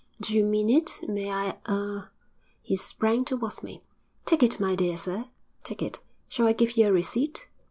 'Do you mean it? May I er ' He sprang towards me. 'Take it, my dear sir, take it. Shall I give you a receipt?'